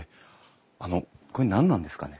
あのこれ何なんですかね？